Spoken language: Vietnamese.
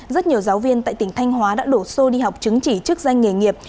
rất nhiều giáo viên tại tỉnh thanh hóa đã đổ xô đi học chứng chỉ chức danh nghề nghiệp